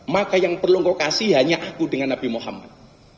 maka yang perlu lokasi hanya aku dengan nabi muhammad